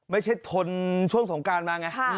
ไม่ใช่ทนช่วงสงการมาไง